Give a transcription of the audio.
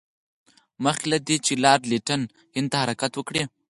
مخکې له دې چې لارډ لیټن هند ته حرکت وکړي.